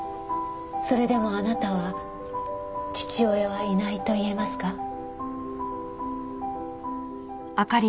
それでもあなたは父親はいないと言えますか？